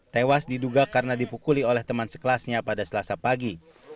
tewas diduga karena dipukuli oleh teman sekelasnya pada selasa pagi